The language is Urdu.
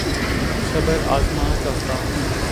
صبر آزما چاہتا ہوں